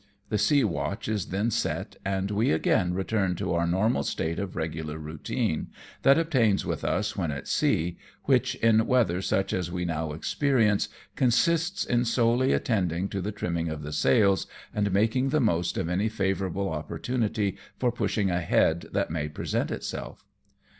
The sea watch is then setj and we again return to our normal state of regular routine, that obtains with us when at sea, which, in weather such as we now experience, consists in solely attending to the trimming of the sails, and making the most of any favourable opportunity for pushing ahead that may present itself.